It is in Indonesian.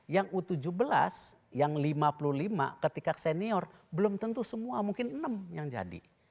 yang u tujuh belas yang lima puluh lima ketika senior belum tentu semua mungkin enam yang jadi